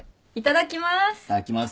いただきます。